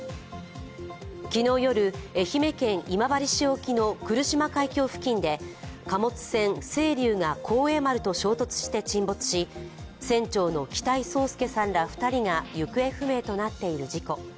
昨日夜、愛媛県今治市沖の来島海峡付近で貨物船「せいりゅう」が「幸栄丸」と衝突して沈没し船長の北井宗祐さんら２人が行方不明となっている事故。